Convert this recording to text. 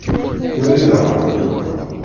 Wali daɣen.